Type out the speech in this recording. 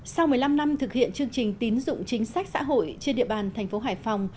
sau một mươi năm năm thực hiện chương trình tín dụng chính sách xã hội trên địa bàn thành phố hải phòng